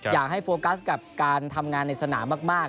อยากให้โฟกัสกับการทำงานในสนามมาก